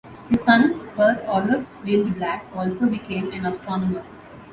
His son, Per-Olof Lindblad, also became an astronomer.